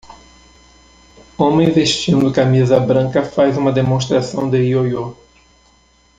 Homem vestindo camisa branca faz uma demonstração de yoyo.